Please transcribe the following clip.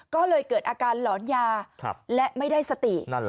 ก็เลยเกิดอาการหลอนยาและไม่ได้สติ